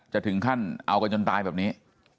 จะถึงขั้นเอากันจนตายแบบนี้